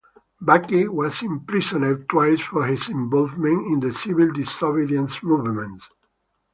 Baqi was imprisoned twice for his involvement in the civil disobedience movements.